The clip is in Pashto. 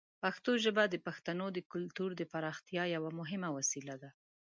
پښتو ژبه د پښتنو د کلتور د پراختیا یوه مهمه وسیله ده.